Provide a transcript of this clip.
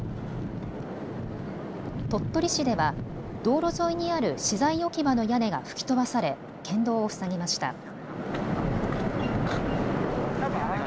鳥取市では道路沿いにある資材置き場の屋根が吹き飛ばされ県道を塞ぎました。